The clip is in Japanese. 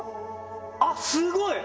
あっすごい！